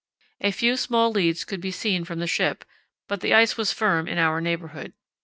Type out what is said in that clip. A few small leads could be seen from the ship, but the ice was firm in our neighbourhood.